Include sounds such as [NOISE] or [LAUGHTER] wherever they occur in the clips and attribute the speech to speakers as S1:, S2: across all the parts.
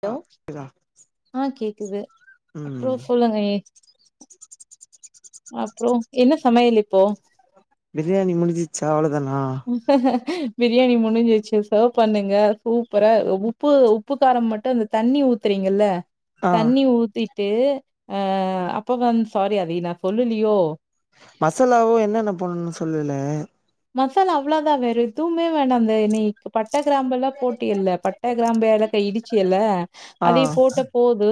S1: Hello
S2: ஆ இதா
S1: ஆஹ் கேக்குது
S2: ம்
S1: அப்பறம் சொல்லுங்க ஏ அப்றோம் என்ன சமையல் இப்போ
S2: பிரியணி முடிஞ்சுச்சா அவள
S1: [UNINTELLIGIBLE] பிரியாணி முடிஞ்சு வச்சு சர்வ் பண்ணுங்க சூப்பரா உப்பு உப்புக்காரம் மட்டும் இந்த தண்ணி ஊத்துறீங்கல்ல
S2: ஆ
S1: தண்ணி ஊத்தி ட்டு அஹ அப்ப வந் சாரி அதை நான் சொல்லுலியோ
S2: மசாலாவும் என்னென்ன போண்ணுன்னு சொல்லல
S1: மசாலா அவ்வளோதான் வேற எதும்மே வேண்டாம் அந்த நெய்க்கு பட் பட்ட கிராம் எல்லாம் போட்டி இல்ல பட்ட கிராம்பு ஏலக்கா இடிச்சியல்ல
S2: ஆ
S1: அதே போட்ட போது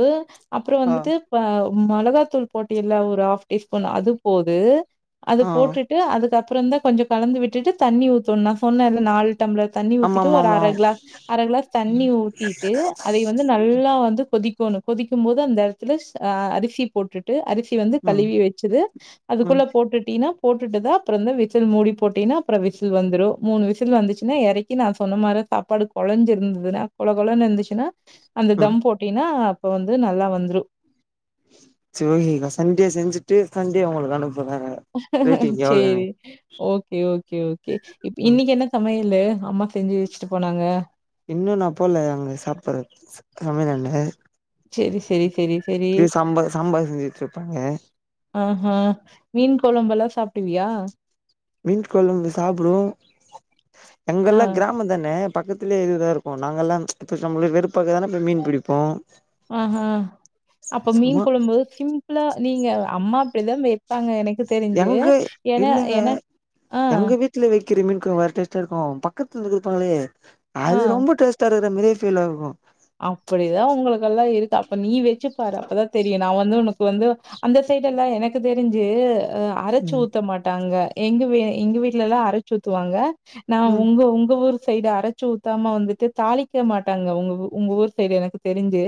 S1: அப்புறம்
S2: ஆ
S1: வந்துட்டு மொளகாத்தூள் போட்டி எல்ல ஒரு ஹாஃப் டீஸ்பூன் அது போது அது
S2: ஆ
S1: போட்டுட்டு அதுக்கப் அப்றந்த கொஞ்சம் கலந்து விட்டுட்டு தண்ணி ஊத்தணு நா‌ சொன்னெல்ல நால் டம்ளர் தண்ணி ஊத்திட்டு
S2: ஆமாமாமா
S1: அர க்ளா அர க்ளாஸ் தண்ணி ஊத்திட்டு அதை வந்து நல்லா வந்து கொதிக் கொனு கொதிக்கும் போது அந்த எடத்துல அரிசி போட்டுட்டு அரிசி சி வந்து
S2: ம்
S1: கழுவி வச்சுரு
S2: ம்
S1: அதுக்குள்ள போட்டுட்டீனா போட்டுட்டுதா அப்றந்தா விசில் மூடி போட்டின்னா அப்ற விசில் வந்துரு மூணு விசில் வந்துச்சுனா எறக்கி நா சொன்ன மாரி சாப்பாடு கொழஞ்சிருந்ததுனா கொல கொலன் இருந்துச்சுனா அந்த
S2: ம்
S1: தம் போட்டினா இப்ப வந்து நல்லா வந்ரு
S2: சிவாங்கி இத சண்டே செஞ்சுட்டு சண்டே உங்களுக் அனுப்
S1: சேரி ஓகே ஓகே ஓ கே
S2: ம்
S1: இன்னைக் என்ன சமய இல்ல அம்மா செஞ்சு வச்சுட்டு போனாங்க
S2: இன்னு நா போல அங்க சாப்பறது சமையலாண்ட
S1: சரி, சரி, சரி, சரி.
S2: இ சாம்பா சாம்பார் செஞ்சிட்ருப்பாங்க
S1: ஆ மீன் கொழம்பல்லா சாப்டுவியா
S2: மீன் கொழம்பு சாப்ப்டுவோ
S1: ஆ.
S2: எங்கெல்லா கிராம தானே பக்கத்துலே இதுதா இருக்கு நாங்கல்லா இப்ப நம்மள வெறுப்பக்க தான போய் மீன் பிடிப்போ
S1: ஆ ஹா அப்ப மீன்
S2: சும்மா
S1: குழம்பு சிம்பிளா நீங்க அம்மா ப்பிதா வைப்பாங்க எனக்கு தெரிஞ்சு
S2: எங்க
S1: என என ஆ
S2: க்கிற மீன் கொழம்பு வேற டேஸ்ல இருக்கு பக்கத்துல இருந்துருப்பாங்களே அது ரொம்ப டேஸ்டா இரு ந்த மேரி ஃபீல் ஆகு
S1: அப்புடிதா உங்களுக்கெல்லா இருக்கு அப்ப நீ வச் சுப்பாரு அப்பதா தெரியு நா வந்து உனக் வந்து அந்த சைட் எல்லா எனக் கு தெருஞ்சு அரச்சு
S2: ம்
S1: ஊத்த மாட்டாங்க எங்க வி எங்க வீட்லல்லா அரைச்சு ஊத்துவாங்க நா
S2: ம்
S1: உங்க உங்க ஊரு சைடு அரச்சு ஊத்தாம வந்துட்டு தாளிக்க மாட்டாங்க அவுங்க உங்க ஊர் சைடு எனக்கு தெரிஞ்சு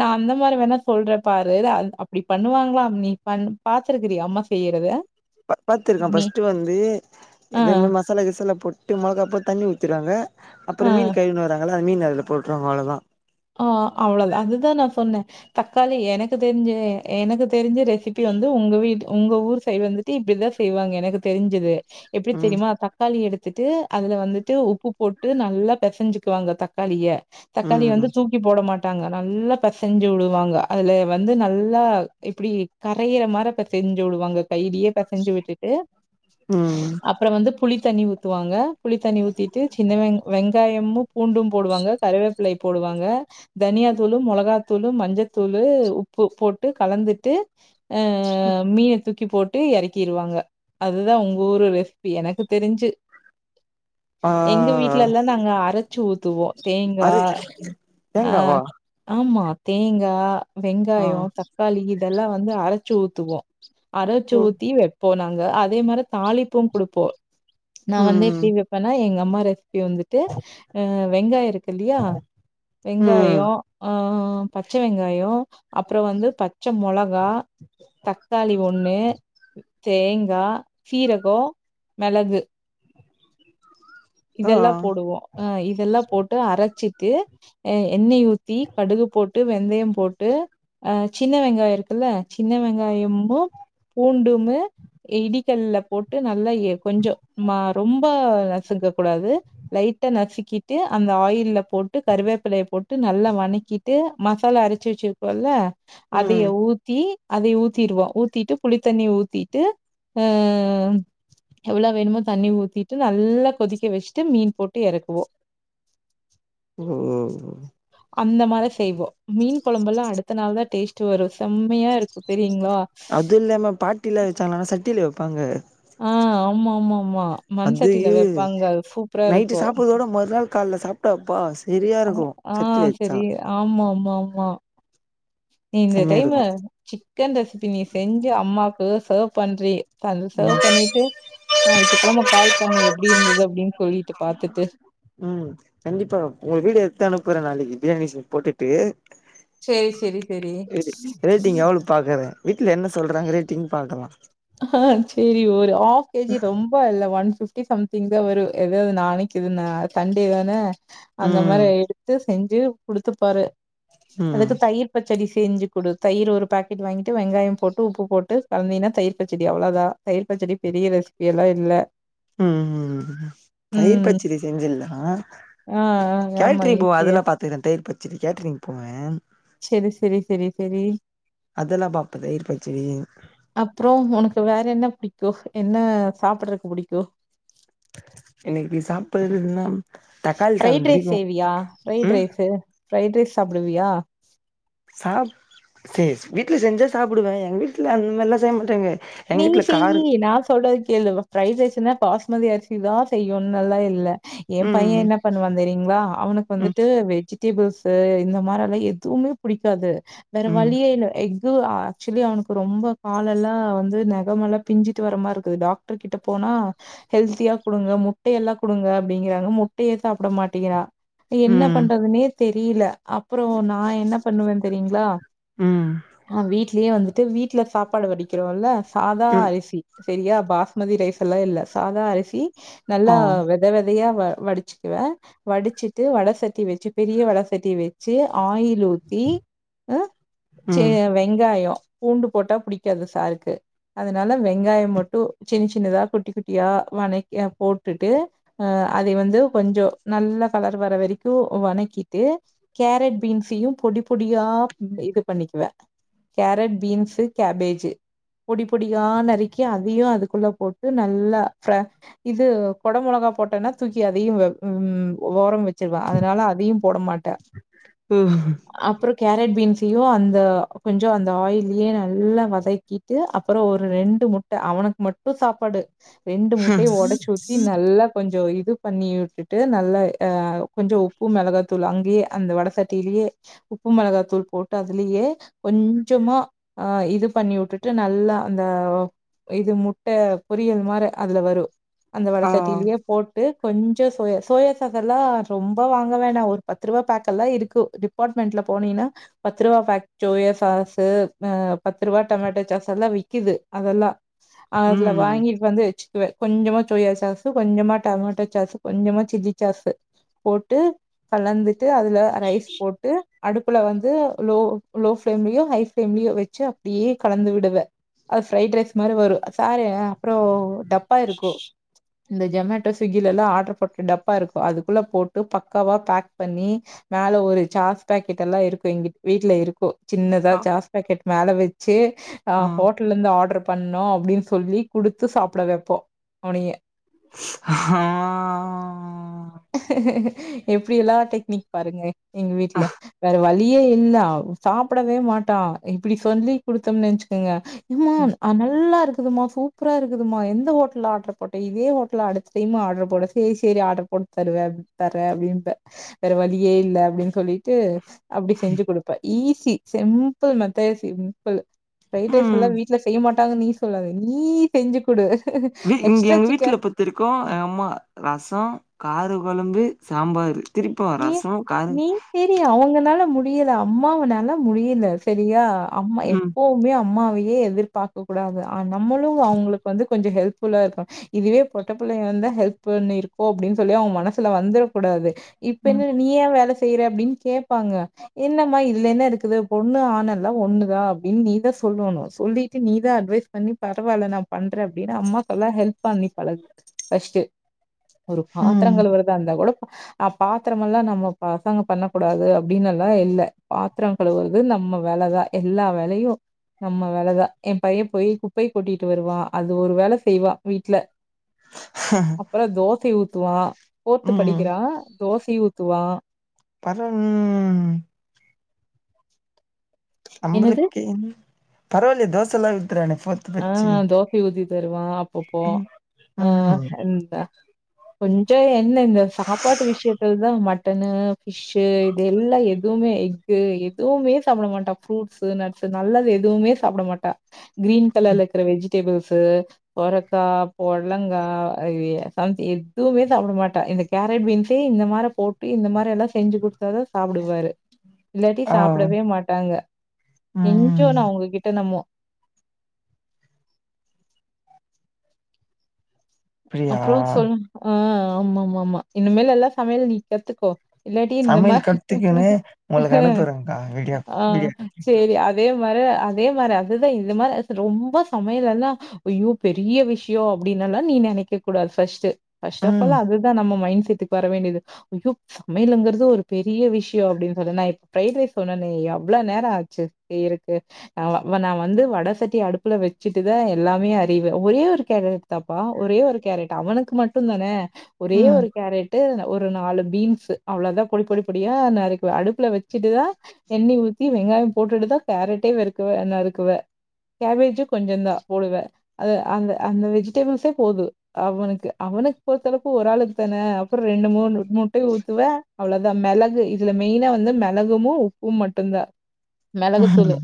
S1: நா அந்த மாரி வேணா சொல்றே பாரு அப்டி பண்ணுவாங்களா அ நீ பன் பாத்துருக்கிறிய அம்மா செய்யறத
S2: ப பாத்துருக்கே
S1: மீ
S2: பஸ்ட்டு வந்து
S1: ஆ,
S2: எதுமே மசாலா கிசாலா போட் எட்டு மிளக போட்தண்ணி ஊத்திருவாங்க அப்புறம்
S1: ஆ.
S2: மீன் கழிவி தராங்கே ஆனா மீன் அதுல போட்ருவாங்க அவ்வளவுதான்
S1: அ அவ்வளவு தான்அதுதான் நான் சொன்னேன் தக்காளி எனக்கு தெரிஞ்சு எனக்கு தெரிஞ்ச ரெசிபி வந்து உங்க வீட்ல உங்க ஊர் சயிடுவந்துட்டு இப்பிடிதான் செய்வாங்க எனக்கு தெரிஞ்சுது எப்படி
S2: ம்
S1: தெரியுமா தக்காளி எடுத் வந்துட்டு அதுல வந்துட்டு உப்பு போட்டு நல்லா பிசைஞ்சுக்குவாங்க தக்காளிய
S2: உம்உ
S1: போ மாட்டாங்க நல்லா பிசைஞ்சு விடுவாங்க அதுல வந்து நல்லா இப்டி கரையிற மாரி பிசைஞ்சு விடுவாங்க கையிலே பிசைஞ்சு விட்டுட்டு
S2: ம்
S1: அப்புறம் வந்து புளி தண்ணி ஊத்துவாங்க புளி தண்ணி ஊத்திட்டு சின்ன வெங் வெங்காயமும் பூண்டும் போடுவாங்க கறிவே பிள்ளை போடுவ இங்க தனிய தூளு மெளகாத்தூளு மஞ்சத்தூளு உப்பு போட்டு கலந்துட்டு ஆ மி எடுத்து கி போட்டு இறக்கிடுவாங்க அதுதான் உங்கஊர் ஒரு ரெசிபி எனக்கு தெரிஞ்சு
S2: ஆ
S1: எங்க வீட்ல்லா நாங்க அரசசு ஊத்துவோ தேங்கா
S2: அது தேங்காவா
S1: அம்மா தேங்கா
S2: ஆ
S1: வெங்காயம் தக்காளி யி இதெல்லா வந்து அரச்சு ஊத்துவோம் அரச்சு
S2: ம்
S1: ஊத்தி வைப்போம் இங்கஅதே மாதிரி தாளிப்பூ கொடுப்போம் ந வந்து இப்டி
S2: ம்
S1: வைப்பேனா எங் ஏம்மாரேஸ் அப்டி வந்துட்டு அ வெங்காய இருக்கு இல்லையா
S2: ம்
S1: வெங்கயோ அ உ பச்சை வெங்காயம் அப்புறம் வந்து பச் பச்சை மிளகா தக்காளி ஒண்ணு தேங்கா சீரகுமிளகு
S2: ஆ
S1: இதெல்லாம் போடுவோம் ஆஹ் இதெல்லாம் போட்டு அரைச்சி தே எண்ணெய் ஊத்தி கடுகு போட்டு வெந்தயம் போட்டு அஹ் சின்ன வெங்காயம் இருக்குல்ல சின்ன வெங்காயமு பூண்டுமு. இடிகல்ல போட்டு நல்லா எ கொஞ்சோ ரொம்ப நசுக்க கூடாது. லைட்டா நசுக்கிட்டு அந்த ஆயில போட்டு. ட்டு கருவேப்பிலைய போட்டு நல்லா வணக்கிட்டு மசாலா அரைச்சு வச்சிருக்கோம்ல. அதைய
S2: ம்
S1: ஊத்தி. அதையு ஊத்திருவோ ஊத்திட்டு புளித்தண்ணி ஊத்திட்டு அஹ எவ்வளோ வேணுமோ தண்ணி ஊத்திட்டு நல்லா கொதிக்க வச்சுட்டு மீன் போட்டு எறக்குவோ.
S2: உம் உ உ.
S1: அந்த மாரி செய்வோ மீன் கொழம்பெல்லா அடுத்த நாள்தா டேஸ்ட் வரு செம்மையா இருக்குது.
S2: அதுல நம்ம பாட்டியிலா வச்சாங்கனா சட்டில. ப்பாங்க.
S1: ஆஹ ஆமா ஆமா.
S2: அதயே
S1: சூப்பரா
S2: நைட்டு
S1: இருக்கும்.
S2: சாப்றதோட மறுநாள் காலையில சாப். ட்டா பாஸ்.
S1: ஆஹ சேரி ஆமா ஆமா ஆமா. நீ இந்த
S2: செம்மையா இருக்கு
S1: டைம்மு சிக்கன் ரெசிபி நீ செஞ்சு அம்மாக். சேவ் சேவ் பன்றி. அது சர்வ்
S2: ம்
S1: பண்ணிட்டு ஞாயித்கிழம கால் பண்ணு எப்படி இருந்தது அப்படின்னு சொல்லிட்டு பாத்துட்டு.
S2: ம் கண்டிப்பா உங்க வீடியோ எடுத்து அனுப்புறே நாளைக்கு பிரியாணி செஞ்சு போட்டுட்டு.
S1: சரி, சரி, சரி.
S2: ரேட்டிங் எவ்வளவு பாக்குற வீட்டுல என்ன. சொல்றாங்க ரேட்டீங் பாக்கலா.
S1: ஆஹ சேரி ஒரு ஆப்கேஜி ரொம்ப இல்ல ஒன் பிப். டி சம்திங்தா வரு எதாவது நாளைக்கு இது சண்டேதான. அந்த
S2: ம்
S1: மாரி எடுத்து செஞ். சு குடுத்துப்பாரு.
S2: ம்
S1: அதுக்கு தயிர் பச்சடி. செஞ்சு குடு தயிர் ஒரு பாக்கெட் வாங்கிட்டு வெங்காயம் போட்டு உப்பு போட்டு கலந்தினா தயிர். பச்செடி அவ்வளோதா தயிர் பச்செடி பெரிய ரெசிபி எல்லா இல்ல.
S2: உஹம்ம் தயிர்
S1: ம்
S2: பச்சடி செஞ்சிருந்தனா
S1: ஆ ஆ ஆமா
S2: கேட்ரிங் போவ
S1: ஈஸியா
S2: அதெல்லா பாத்துருக்க தயிர் பச். சேரி கேட்டரிங்போவ.
S1: சேரி சேரி சேரி சேரி.
S2: அதெல்லா பாப்ப தயிர்பச்சடி.
S1: அப்றோ உனக்கு வேற என்ன புடிக்கு என்ன சாப்புடறதுக்கு பிடிக்கு.
S2: இன்னிக்கு நீ சாப்படுறன்னா.
S1: ஃப்ரைட் ரைஸ் செவ்வியா ஃப்ரைட்
S2: ம்
S1: ரைஸு. ப்ரைட் ரைஸ் சாப்புடுவியா.
S2: சாப் சே வீட்டுல செஞ்சா சாப்புடுவ எங்க வீட்டுல அந்தமாரில்லா செய்ய மாட்டாங்க. எங்க
S1: நீ
S2: வீட்ல
S1: செய்யி
S2: காரு
S1: நான் சொல்றத கேளு ப்ரைட் ரைஸ் நா பாஸ்மதி அரிசி தான் செய்யனும் எல்லா இல்ல என் பையன்
S2: ம்,
S1: என்ன பண்ணுவான் தெரியுங்களா அவனுக்கு
S2: ம்,
S1: வந்துட்டு வெஜ் டேபிள்ஸு இந்த மாரி எல்லா எதுவுமே பிடிக்காது
S2: ம்,
S1: வேறவழியே இல்ல எக் ஆக்சுவலி அவனுக்கு ரொம்ப கால் எல்லா வந்து நெகமெல்லா பிஞ்சிட்டு வரமாரி இருக்குது டாக்டர் கிட்ட போனா ஹெல்த்தியா குடுங்க முட்டைய எல்லா குடுங்க அப்டிங்கறாங்க முட்டையே சாப்பிட மாட்டேங்கிரான் என்ன
S2: ம்,
S1: பண்றதுனே தெரில அப்பறோ நான் என்ன பண்ணுவேன்னு தெரியிங்களா
S2: ம்,
S1: வீட் லயே வந்துட்டு வீட்ல சாப்பாடு வடிக்கிறோல்ல சாதா
S2: ம்,
S1: அரிசி சரியா பாஸ்மதி ரைஸ் எல்லா இல்ல சாதா அரிசி நல்லா
S2: ஆ,
S1: வெத வெதையா வடிச்சுக்குவேன் வடிச்சிட்டு வட சட்டி வச்சு பெரிய வட சட்டி வச்சு வச்சு ஆயில் ஊற்றி ஹ ச்ச
S2: ம்,
S1: வெங்காயம் பூண்டு போட்டா புடிக்காது சாருக்கு அதனால வெங்காயம் மட்டும் சின்ன சின்னதா குட்டி குட்டியா வனக்கி போட்டு அஹ் அதை வந்து கொஞ்சோ நல்ல கலர் வர வரைக்கோ வனக்கிட்டு கேரட் பீன்ஸையும் பொடி பொடியா இது பண்ணிக்குவேன் கேரட் பீன்ஸு கேபேஜு பொடி பொடியா நறுக்கி அதையும் அதுக்குள்ள போட்டு நல்லா இது கொடை மிளகா போட்டோனா தூக்கி அதையும் உ ஓரம் வச் சிருவான் அதனால அதையும் போட மாட்டேன்
S2: உ,
S1: அப்றோ கேரட் பீன் ஸ்யும் அந்த கொஞ்சம் அந்த ஆயிலயே நல்லா வதக்கி அப்றோ ஒரு ரெண்டு முட்ட அவனுக்கு மட்டும் சாப்பாடு ரெண்டு முட்டையோ உடைச்சு ஊத்தி நல்லா கொஞ்சோ இது பண்ணி விட்டுட்டு நல்லா ஹ கொஞ்சோ உப்பு மிளகாத்தூள் அங்கேயே அந்த வட சட்டியிலயே உப்பு மிளகா தூள் போட்டு அதுலயே கொஞ்சமா ஹ இது பண்ணி வுட்டுட் ட்டு நல்லா அந்த இது முட்ட பொரியல் மாரி அதுல வரும் அந்த வட
S2: ஆ,
S1: சட்டிலயே போட்டு கொஞ்சோ சோயா சோயா சாஸ் எல்லா ரொம்ப வாங்க வேணா ஒரு பத்து ரூபா பேக்கெல்லா இருக்கு டிபார்ட்மெண்ட்ல போனின்னா பத்து ரூபா பேக் சோயா சாஸு பத்து ரூபா டோமேட்டோ சாஸ் எல்லா விக்குது அதெல்லாம் அதுல
S2: ம்,
S1: வாங்கிட் வந்து கொஞ்சமா சோயா சாஸு கொஞ்சமா டமேட்டோ சாஸு கொஞ்சமா சில்லி சாஸு போட்டு கலந்து அதுல ரைஸ் போட்டு அடுப்புல வந்து லோ லோ ஃப்ளேம்லயோ ஹாய் ஃப்ளேம்லயோ வச்சு அப்டியே கலந்து விடுவேன் அது ஃபிரைட் ரைஸ் மாரி வரும் சாரு அப்றோ டப்பா இருக்கும் இந்த ஜொமேட்டோ ஸ்விக்கி எல்லாம் ஆர்டர் போட்ட டப்பா இருக்கும் அதுக்குள்ள போட்டு பக்காவா பேக் பண்ணி மேலே ஒரு சாஸ் பேக்கெட் எல்லா இருக்கும் எங்க வீட்ல இருக்கும் சின்னதா
S2: அ,
S1: சாஸ் பேக்கெட் மேல வச். ச்சு. ஆஹ
S2: ஆ,
S1: ஹோட்டல இருந்து ஆர்டர். பண்ணோ அப்படின்னு சொல்லி குடுத்து சாப்புட வைப்போ உனிய.
S2: ஆஹா.
S1: எப்படியெல்லா டெக்னிக் பாருங்க. எங்க
S2: ஆ,
S1: வீட்டுல வேற வழி. வழியே இல்ல சாப்புடவே மாட்டா இப்படி சொல்லி. குடுத்தம்னு வச்சுக்கங்க.
S2: ம்.
S1: ம்மான் நல்லா இருக். இருக்குதுமா சூப்பரா இருக்குதுமா எந்த ஹோட்டல்ல ஆர்டர் போட்ட இதே ஹோட்டல்ல அடுத்த டைம் ஆர்டர் போடு சேரி சேரி ஆர்டர் போட்டு தருவ தர அப்படின்ப. வேற வழியே இல்ல அப்படின்னு சொல்லி. ட்டு அப்படி செஞ்சு குடுப்ப ஈசி. சி சிம்பல் மத்த எது செய்விங். ப்பிள். பிரைட் ரைஸ்ல்லா
S2: ம்.
S1: வீட்டுல செய்ய மாட்ட. டாங்கனு‌ நீ சொல்லாத நீ செஞ்சு குடு.
S2: இங்க
S1: எக்ஸ்ட்ரா
S2: எங்க வீட்டுல
S1: சிக்கன்
S2: பொருத்தவரிக்கு எங்க அம்மா ரசோ கார குழம்பு. சாம்பாரு.
S1: நீ நீ தெரி அவங்கநாள் முடி. முடியல அம்மாவனால முடியல செரியா. அம்மா
S2: ம்,
S1: எப்பவுமே அம்மா. எதையும் எதிர்பார்க்க கூடாத. நம்மளும் அவங்களுக்கு வந்து கொஞ்சோ ஹெல்ப். இல்ல அக்கா இதுவே பொட்ட புள்ளைங்களாருந்தா ஹெல்ப் பண்ணிருக்கு அப்படின்னு சொல்லி அவங்க மனசுல வந்துட கூடாது. இப்பன்னு நீயா வேல செய். செய்யற அப்படின்னு கேட்ப்பாங்க. என்னம்மா இதுல என்ன இருக்குது பொண்ணு ஆணல்லா ஒண்ணுதா அப்படின்னு நீதா சொல்லணு சொல்லிட்டு நீதா அட்வைஸ் பண்ணி பரவால்ல நா பண்ற அப்டின்னு அம்மாக்கெல்லா ஹெல்ப் பண்ணி பழகு ஃபஸ்ட்டு. ஒரு
S2: ம்,
S1: பாத்திரங்களுவரதா இருந்தா கூடா. [UNINTELLIGIBLE] ஆஹ பாத்திரமெல்லா நம்ம பசங்க பண்ண கூடாது அப்படின்னு எல்லா இல்ல. பாத்திரம் கழுவுறது நம்ம வேலதா எல்லா வேலயு நம்ம வேலதா எம் பைய போய் குப்பய கொட்டிட்டு வருவா அது ஒரு வே செய்வா வீட்டுல. அப்புறோ தோசை ஊத். துவா. போர்து
S2: ம்,
S1: படிக்கிறா. தோசை ஊத்துவா.
S2: பரம்ம்ம்.
S1: என்னது
S2: நம்முளுக்கின். பரவாயில்லை தோச எல்லாம் ஊத்திரால
S1: ஆஹ் தோசை ஊத்தி தருவேன் அப்பப்போ
S2: ம்.
S1: ஆஹ்
S2: ம்
S1: கொஞ்சோ என்ன இந்த சாப்பாட்டு விஷயத்துல தான் மட்டன்னு ஃபிஷ் இது எல்லாம் எதுவுமே எஃகு எதுவுமே சாப்பிட மாட்டா ஃப்ரூட்ஸ் நட்ஸ் நல்லது எதுவுமே சாப்பிட மாட்டா கிரீன் [UNINTELLIGIBLE] [UNINTELLIGIBLE] சுரக்கா புடலங்கா எதுவுமே சாப்பிட மாட்ட இந்த கேரட் பீன்ஸே இந்த மாதிரி போட்டு இந்த மாதிரி எல்லாம் செஞ்ச குடுத்தா தா சாப்பிடுவாரு இல்லாட்டி
S2: ஆ
S1: சாப்பிடவே மாட்டாங்க
S2: ம்
S1: கெஞ்சோணும் உங்ககிட்ட நம்ம
S2: அப்டியா
S1: அப்புறம் சொ ஆஹ் ஆமா ஆமா ஆமா இனிமேல் எல்லா சமையல் நீ கத்துக்கோ இல்லாட்டி இந்த
S2: சமையல்
S1: மாதிரி
S2: கத்துக்குன்னு உங்களுக்கு அனுப்புறேங்க்கா வீடியோ
S1: ஆஹ்
S2: வீடியோ
S1: செரி அதே அதே மாதிரி அதுதான் இது மாதிரி ரொம்ப சமையலல்லாம் அய்யோ பெரிய விஷயம் அப்படின்னுல்லாம் நீ நெனைக்கிற கூட ஃபஸ்ட் ஃபஸ்ட் ஆஃப்
S2: ம்
S1: ஆல் அதுதான் நம்ம மைண்ட் நேரத்துக்கு வர வேண்டியது அயோ சமையலிங்கிறது ஒரு பெரிய விஷயம் அப்படின்னு சொண்ணா [UNINTELLIGIBLE] அவ்ளவு நேரம் ஆச்சு அப்டி இருக்கு நான் வந்து வட சட்டி அடுப்புல வச்சுட்டுதான் எல்லாமே அறிவேன் ஒரே ஒரு கேரட் தாப்பா ஒரே ஒரு கேரட் அவனுக்கு மட்டும் தான ஒரே
S2: ம்
S1: ஒரு கேரட் ஒரு நாலு பீன்ஸ் அவ்வளவுதான் பொடி பொடி பொடியா நறுக்கு அடுப்புல வச்சுட்டுதான் எண்ணெய் ஊத்தி வெங்காயம் போட்டுட்டுதான் கேரட்டே வெறுக்க நருக்குவே கேபேஜும் கொஞ்சம் தான் போடுவேன் அ அந்த அந்த வெஜிடேபிள்ஸே போதும் அவனுக்கு அவனுக்கு பொறுத்தளவுக்கு ஒரு ஆளக்கு தான அப்புறம் ரெண்டு மூணு முட்டையும் ஊத்துவேன் அவ்வளவுதான் மிளகு இதுல மெய்னா வந்து மிளகமும் உப்பு மட்டும்தான் மிளகுத்தூள்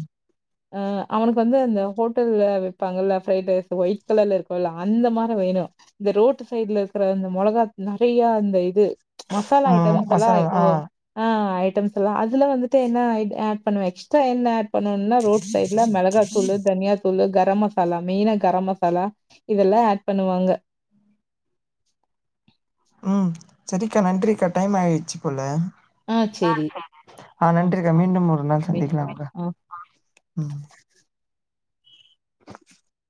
S1: ஆஹ் அவனுக்கு வந்து அந்த ஹோட்ல்ல வைப்பாங்கல ஃப்ரைட் ரைஸ் ஒயிட் கலர்ல இருக்கும்ல்ல அந்த மாதிரி வேணும் இந்த ரோட்டு சைட்ல இருக்கிற அந்த மிளகா நெறைய அந்த இது மசாலா
S2: ம்
S1: ஐட்டம்ஸ் எல்லாம்
S2: மசாலா
S1: ஓ
S2: ஆ
S1: ஆஹ் அதுல வந்துட்டு என்ன ஆட் பண்ணி வச்சுட்டு என்ன பண்ணணும்னா ரோட் சைட்ல மிளகா தூள் தனியா தூள் கர கரம் மசாலா மெயினா கரம் மசாலா இதெல்லாம் ஆட் பண்ணுவாங்க [INAUDIBLE]
S2: ஆஹ் செரிக்கா நன்றிக்கா டைம் ஆயிடுச்சு போல
S1: ஆ சரி.
S2: ஆஹ்
S1: ஆ
S2: நன்றிக்கா மீண்டும் ஒரு நாள்
S1: மெயினா
S2: சந்திகலாம்கா
S1: ஆ.
S2: உம்